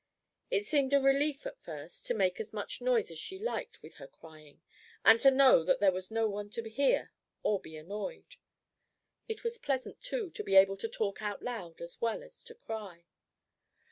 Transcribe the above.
It seemed a relief at first to make as much noise as she liked with her crying, and to know that there was no one to hear or be annoyed. It was pleasant, too, to be able to talk out loud as well as to cry.